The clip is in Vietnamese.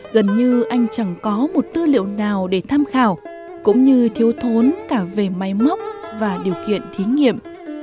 gần như anh chẳng có một tư liệu nào để tham khảo cũng như thiếu thốn cả về máy móc và điều kiện thí nghiệm